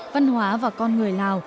văn hóa và con người lào